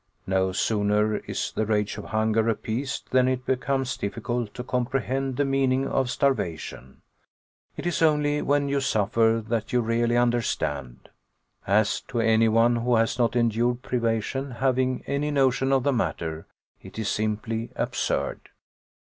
No sooner is the rage of hunger appeased than it becomes difficult to comprehend the meaning of starvation. It is only when you suffer that you really understand. As to anyone who has not endured privation having any notion of the matter, it is simply absurd.